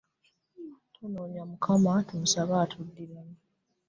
Tunoonye Mukama, tumusabe atuddiremu